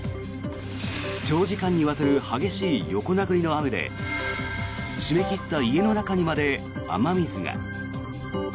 長時間にわたる激しい横殴りの雨で閉め切った家の中にまで雨水が。